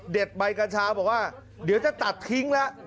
ใบกัญชาบอกว่าเดี๋ยวจะตัดทิ้งแล้ว